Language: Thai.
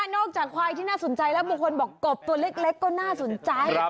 ควายที่น่าสนใจแล้วบางคนบอกกบตัวเล็กก็น่าสนใจ